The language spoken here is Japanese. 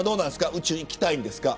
宇宙行きたいんですか。